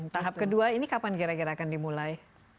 tahap kedua ini kapan gara gara akan dimulai